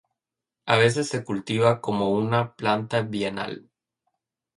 A veces se cultiva como una planta bienal.